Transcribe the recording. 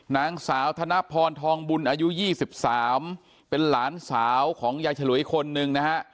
นางสาวธนพรทองบุญอายุ๒๓เป็นหลานสาวของยายฉลวยคนหนึ่งนะฮะ